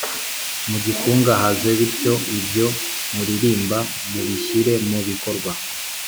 mugikungahaze, bityo ibyo muririmba mubishyire mu bikorwa